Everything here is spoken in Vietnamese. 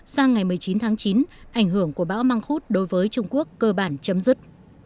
sáng ngày một mươi chín tháng chín ảnh hưởng của bão mang khút đối với trung quốc cơ bản chấm dứt